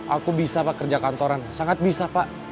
aku bisa pak kerja kantoran sangat bisa pak